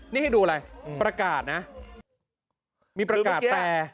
นี่ให้ดูอะไรประกาศนะมีประกาศแต่